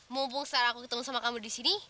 mumpung sekarang aku ketemu sama kamu di sini